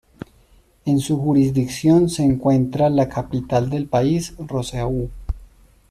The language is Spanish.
En su jurisdicción se encuentra la capital del país, Roseau.